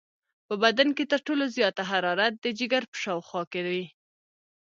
په بدن کې تر ټولو زیاته حرارت د جگر په شاوخوا کې وي.